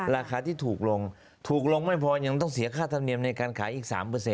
ราคาที่ถูกลงถูกลงไม่พอยังต้องเสียค่าธรรมเนียมในการขายอีก๓